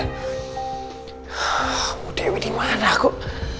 hah mu dewi dimana kok